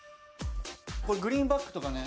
グリーンバックとかね。